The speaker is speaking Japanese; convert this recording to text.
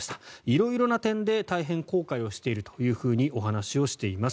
色々な点で大変後悔をしているとお話をしています。